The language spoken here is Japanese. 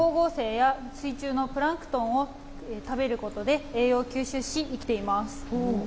光合成や水中のプランクトンを食べることで栄養を吸収し生きています。